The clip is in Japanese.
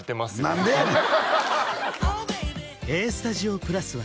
何でやねん！